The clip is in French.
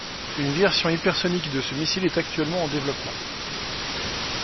Une version hypersonique de ce missile est actuellement en développement.